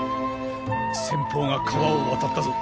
先ぽうが川を渡ったぞ。